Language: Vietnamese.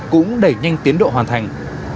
cũng đẩy nhanh tiến độ hoàn thành